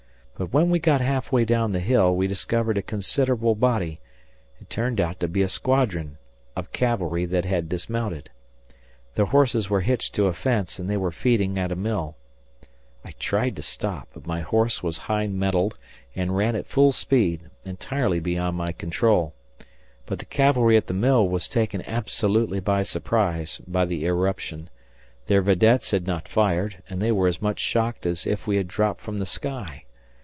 But when we got halfway down the hill we discovered a considerable body it turned out to be a squadron of cavalry that had dismounted. Their horses were hitched to a fence, and they were feeding at a mill. I tried to stop, but my horse was high mettled and ran at full speed, entirely beyond my control. But the cavalry at the mill were taken absolutely by surprise by the irruption; their videttes had not fired, and they were as much shocked as if we had dropped from the sky.